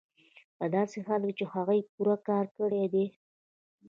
په داسې حال کې چې هغوی پوره کار کړی دی